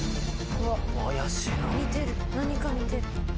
見てる何か見てる。